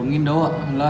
em truyền từ tám chín triệu